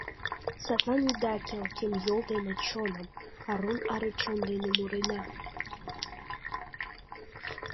Садлан ида кел кем йол дене чоным — Арун ару чон дене мурена.